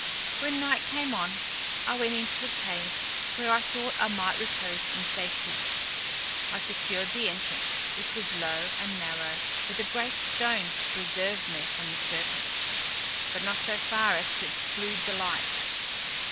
When night came on, I went into a cave, where I thought I might repose in safety. I secured the entrance, which was low and narrow, with a great stone to preserve me from the serpents; but not so far as to exclude the light.